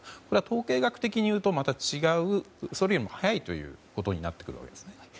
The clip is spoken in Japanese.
これは統計学的にいうとまた違うそれよりも早いということになってくるわけですか。